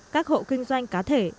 các hộ kinh doanh cá thể